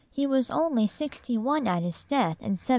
He was only sixty one at his death in 1788.